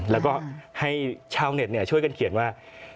แล้วก็ให้ชาวเน็ตช่วยกันเขียนว่า